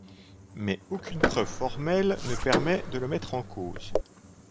Mais aucune preuve formelle ne permet de le mettre en cause.